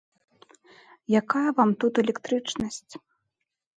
Якая вам тут электрычнасць.